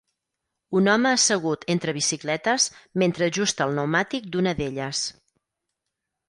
Un home assegut entre bicicletes mentre ajusta el pneumàtic d'una d'elles.